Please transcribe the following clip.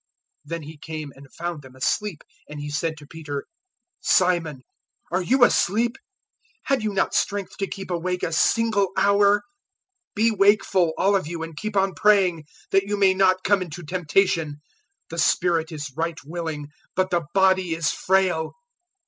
014:037 Then He came and found them asleep, and He said to Peter, "Simon, are you asleep? Had you not strength to keep awake a single hour? 014:038 Be wakeful, all of you, and keep on praying, that you may not come into temptation: the spirit is right willing, but the body is frail."